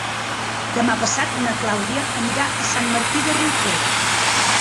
Demà passat na Clàudia anirà a Sant Martí de Riucorb.